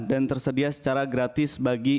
dan tersedia secara gratis bagi